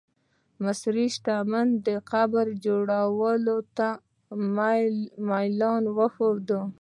مصري شتمن د قبر جوړولو ته میلان درلود.